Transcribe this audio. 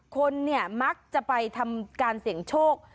คนเนี่ยมักจะไปทำการเสี่ยงโชค